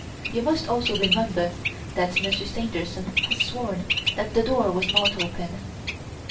You must also remember that Monsieur Stangerson has sworn that the door was not open."